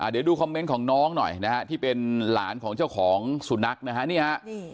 เดี๋ยวดูคอมเมนต์ของน้องหน่อยนะฮะที่เป็นหลานของเจ้าของสุนัขนะฮะนี่ฮะ